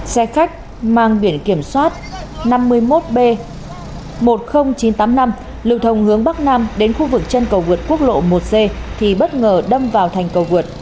xe khách mang biển kiểm soát năm mươi một b một mươi nghìn chín trăm tám mươi năm lưu thông hướng bắc nam đến khu vực chân cầu vượt quốc lộ một c thì bất ngờ đâm vào thành cầu vượt